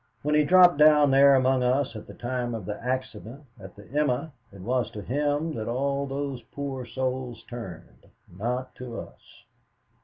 When he dropped down there among us at the time of the accident at the 'Emma,' it was to him that all those poor souls turned, not to us.